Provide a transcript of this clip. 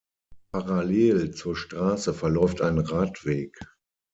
Parallel zur Straße verläuft ein Radweg.